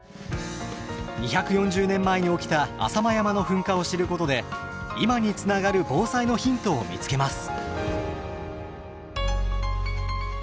２４０年前に起きた浅間山の噴火を知ることで今につながる防災のヒントを見つけます。